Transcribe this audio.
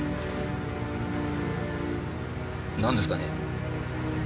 何ですかね？